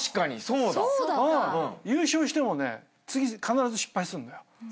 優勝してもね次必ず失敗すんのよ。